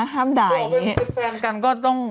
ขออีกทีอ่านอีกที